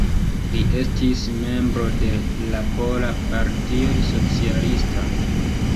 Li estis membro de la Pola Partio Socialista.